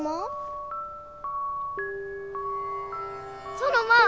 ソノマ！